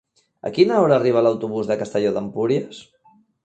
A quina hora arriba l'autobús de Castelló d'Empúries?